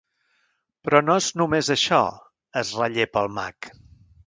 Però no és només això —es rellepa el mag—.